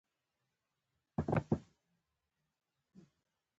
ټپي د ژوند امید له لاسه ورکوي.